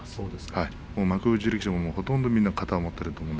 幕内の力士もほとんどみんな型を持っています。